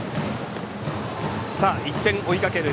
１点追いかける